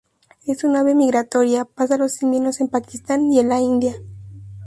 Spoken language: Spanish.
Es un ave migratoria: pasa los inviernos en Pakistán y en la India.